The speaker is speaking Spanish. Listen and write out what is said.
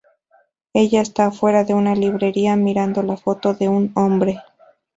Ella está afuera de una librería mirando la foto de un hombre.